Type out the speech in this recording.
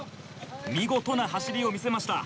見事な走りを見せました。